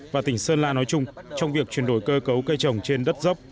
và tỉnh sơn la nói chung trong việc chuyển đổi cơ cấu cây trồng trên đất dốc